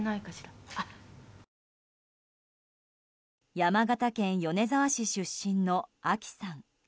山形県米沢市出身のあきさん。